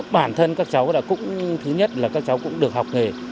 bản thân các cháu cũng thứ nhất là các cháu cũng được học nghề